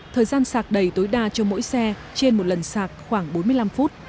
thời gian sạc đầy tối đa cho mỗi xe trên một lần sạc khoảng bốn mươi năm phút